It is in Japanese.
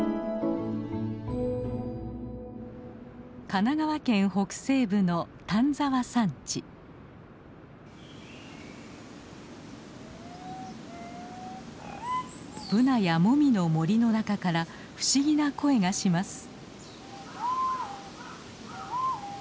神奈川県北西部のブナやモミの森の中から不思議な声がします。